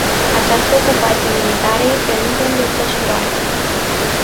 Această ocupație militară este încă în desfășurare.